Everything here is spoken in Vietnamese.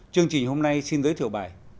chương trình hôm nay xin giới thiệu bài